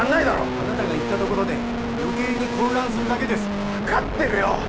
あなたが行ったところで余計に混乱するだけです分かってるよ